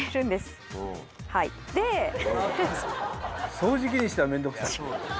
掃除機にしては面倒くさい。